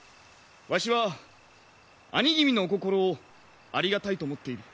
わしは兄君のお心をありがたいと思っている。